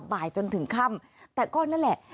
บ่ายจนถึงค่ำแต่ก็นั่นแหละ